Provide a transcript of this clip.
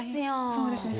そうですね。